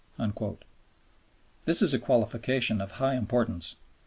" This is a qualification of high importance.